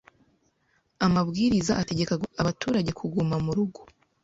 Amabwiriza ategeka abaturage kuguma mu rugo,